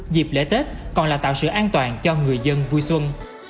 dịp lễ tết còn là tạo sự an toàn cho người dân vui xuân